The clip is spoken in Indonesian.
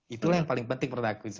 itulah yang paling penting menurut aku